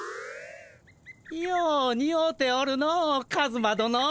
ようにおうておるのカズマどの。